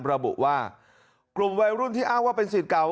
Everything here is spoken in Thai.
ระบุว่ากลุ่มวัยรุ่นที่อ้างว่าเป็นสิทธิ์เก่า